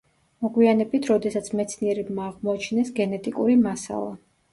მოგვიანებით, როდესაც მეცნიერებმა აღმოაჩინეს გენეტიკური მასალა.